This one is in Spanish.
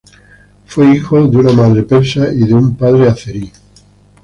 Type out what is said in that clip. Fue hijo de una madre persa y de padre azerí.